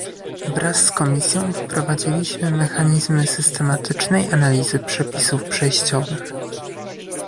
Wraz z Komisją wprowadziliśmy mechanizmy systematycznej analizy przepisów przejściowych